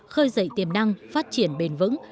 khơi dậy tiềm năng phát triển bền vững